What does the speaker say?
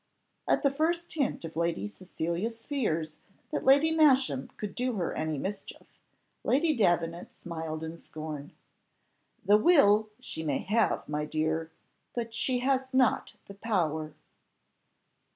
At the first hint of Lady Cecilia's fears, that Lady Masham could do her any mischief, Lady Davenant smiled in scorn. "The will she may have, my dear, but she has not the power."